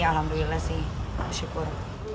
ya alhamdulillah sih bersyukur